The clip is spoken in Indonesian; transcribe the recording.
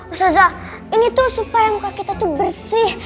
usazah ini tuh supaya muka kita tuh bersih